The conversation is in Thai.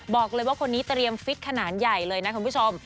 บอกเลยว่าคนนี้เตรียมฟิตขนาดใหญ่เลยนะคุณผู้ชม